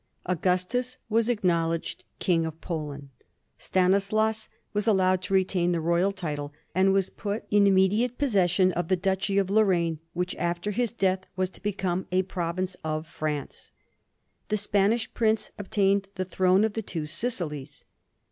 Augustus was acknowledged King of Poland. Stanislaus was allowed to retain the royal title, and was put in immediate possession of the Duchy of Lor raine, which after his death was to become a province of France. The Spanish prince obtained the throne of the Two Sicilies.